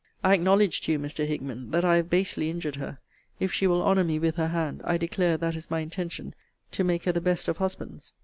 I acknowledge to you, Mr. Hickman, that I have basely injured her. If she will honour me with her hand, I declare that is my intention to make her the best of husbands.